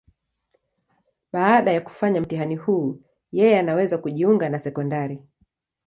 Baada ya kufanya mtihani huu, yeye anaweza kujiunga na sekondari.